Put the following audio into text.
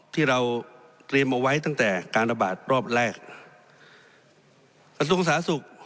ที่เราเตรียมเอาไว้ตั้งแต่การระบาดรอบแรกกระทรวงสาธารณสุข